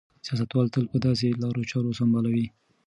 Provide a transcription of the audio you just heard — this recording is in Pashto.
سیاستوال تل په داسې لارو چارو سمبال وي.